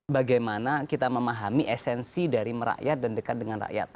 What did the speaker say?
bagaimana kita memahami esensi dari merakyat dan dekat dengan rakyat